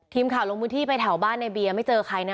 ทีมข่าวลงพื้นที่ไปแถวบ้านในเบียร์ไม่เจอใครนะ